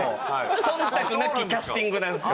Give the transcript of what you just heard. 忖度なきキャスティングなんですよ。